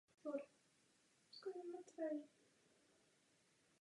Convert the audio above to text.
Sezónu zakončila třemi francouzskými turnaji.